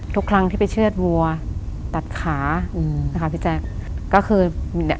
ทุกครั้งที่ไปเชื่อดวัวตัดขาอืมนะคะพี่แจ๊คก็คือเนี่ย